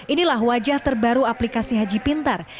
inilah wajah terbaru aplikasi haji pintar